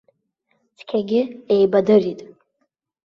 Цқьагьы еибадырит.